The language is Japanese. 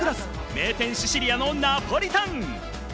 名店・シシリアのナポリタン。